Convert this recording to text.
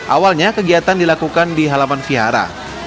awalnya kegiatan dilakukan di halaman vihara